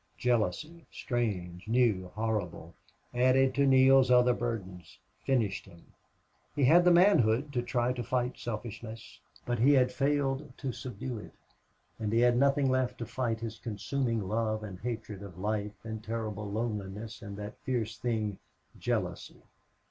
Jealousy, strange, new, horrible, added to Neale's other burdens, finished him. He had the manhood to try to fight selfishness, but he had failed to subdue it; and he had nothing left to fight his consuming love and hatred of life and terrible loneliness and that fierce thing jealousy.